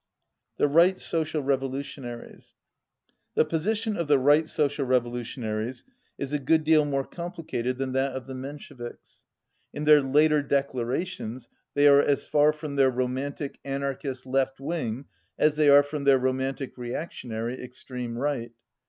The Right Social Revolutionaries The position of the Right Social Revolution aries is a good deal more complicated than that of 206 the Mensheviks. In their later declarations they are as far from their romantic anarchist left wing as they are from their romantic reactionary ex treme right.